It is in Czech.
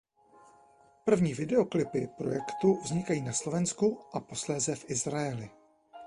První videoklipy projektu vznikají na Slovensku a posléze v Izraeli.